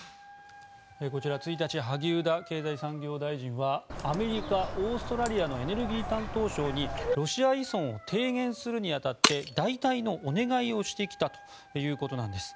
こちら１日、萩生田経済産業大臣はアメリカ、オーストラリアのエネルギー担当相にロシア依存を低減するに当たって代替のお願いをしてきたということなんです。